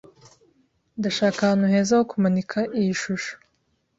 Ndashaka ahantu heza ho kumanika iyi shusho.